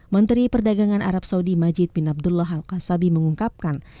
menteri perdagangan arab saudi majid bin abdullah hal kasabi mengungkapkan